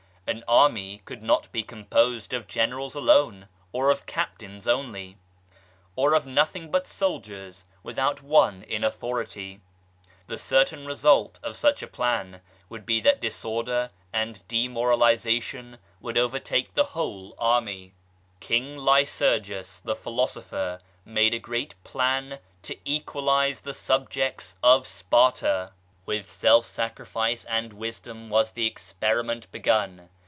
An army could not be com posed of Generals alone, or of Captains only, or of nothing but soldiers without one in authority. The certain result of such a plan would be that disorder and demoralisation would overtake the whole army, King Lycurgus, the Philosopher, made a great plan to equalise the subjects of Sparta ; with self sacrifice 142 MEANS OF EXISTENCE and wisdom was the experiment begun.